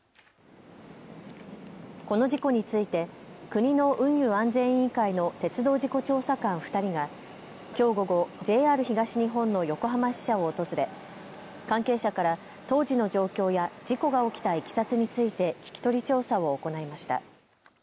この事故について国の運輸安全委員会の鉄道事故調査官２人がきょう午後、ＪＲ東日本の横浜支社を訪れ関係者から当時の状況や事故が起きたいきさつについて聞き取り調査を行いました。